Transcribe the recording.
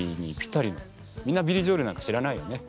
みんなビリー・ジョエルなんか知らないよね？